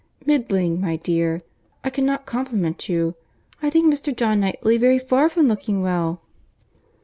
"Middling, my dear; I cannot compliment you. I think Mr. John Knightley very far from looking well."